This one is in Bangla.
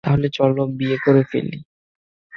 তাহলে চল বিয়ে করে ফেলি।